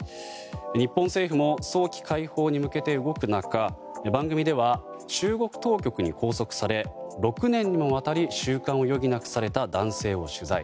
日本政府も早期解放に向けて動く中番組では中国当局に拘束され６年にわたり習慣を余儀なくされた男性を取材。